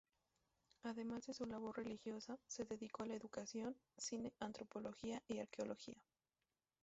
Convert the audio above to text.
Además de su labor religiosa, se dedicó a la educación, cine, antropología y arqueología.